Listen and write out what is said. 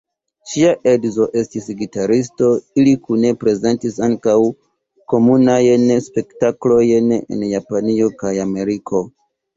Ŝia edzo estis gitaristo, ili kune prezentis ankaŭ komunajn spektaklojn en Japanio kaj Ameriko.